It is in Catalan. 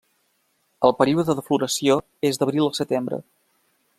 El període de floració és d'abril a setembre.